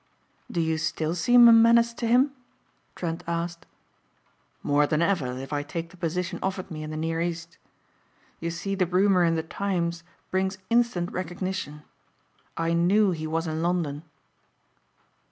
"Do you still seem a menace to him?" Trent asked. "More than ever if I take the position offered me in the near East. You see the rumour in the Times brings instant recognition. I knew he was in London."